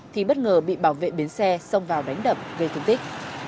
thì bất ngờ bị bảo vệ bến xe xông vào đánh đập gây thương tích